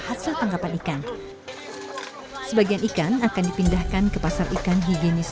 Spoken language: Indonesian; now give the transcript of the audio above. hasil tangkapan ikan sebagian ikan akan dipindahkan ke pasar ikan higienis